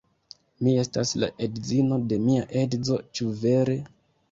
Mi estas la edzino de mia edzo; ĉu vere?